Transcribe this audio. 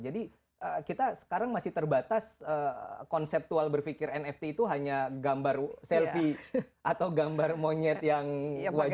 jadi kita sekarang masih terbatas konseptual berpikir nft itu hanya gambar selfie atau gambar monyet yang wajib